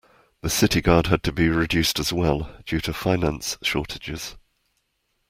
The city guard had to be reduced as well due to finance shortages.